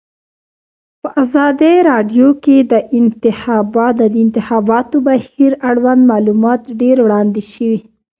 په ازادي راډیو کې د د انتخاباتو بهیر اړوند معلومات ډېر وړاندې شوي.